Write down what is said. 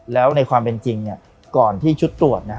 แล้วในความเป็นจริงก่อนที่ชุดตรวจ